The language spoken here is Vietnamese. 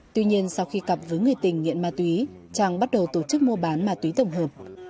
tuy nhiên sau khi cặp với người tình nghiện ma túy trang bắt đầu tổ chức mua bán ma túy tổng hợp